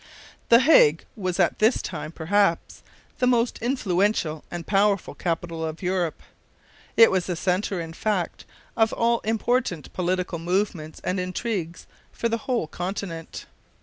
The Hague was at this time perhaps the most influential and powerful capital of Europe. It was the centre, in fact, of all important political movements and intrigues for the whole Continent.